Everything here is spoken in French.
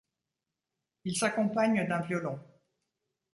Il s'accompagne d'un violon.